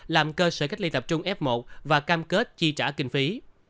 làm cơ sở cách ly tập trung f một và cam kết chi trả kinh phí